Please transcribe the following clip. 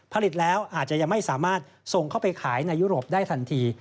ผลิตแล้วอาจจะยังไม่สามารถส่งเข้าไปขายในยุโรปได้ทันที